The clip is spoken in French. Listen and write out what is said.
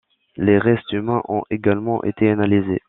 Les restes humains ont également été analysés.